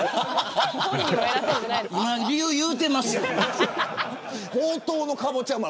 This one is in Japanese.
理由、言うてますやん。